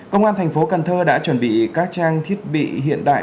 công an thành phố cần thơ đã chuẩn bị các trang thiết bị hiện đại